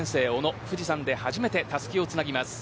富士山で初めてたすきをつなぎます。